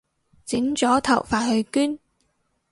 剪咗頭髮去捐